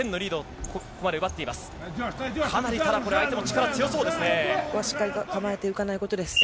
ただ、かなり相手も力が強そうですね。